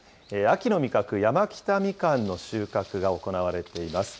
秋の味覚、山北みかんの収穫が行われています。